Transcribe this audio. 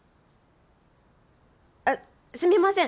あっすみません！